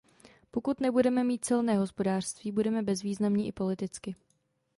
Pokud nebudeme mít silné hospodářství, budeme bezvýznamní i politicky.